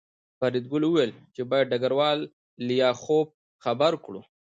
فریدګل وویل چې باید ډګروال لیاخوف خبر کړو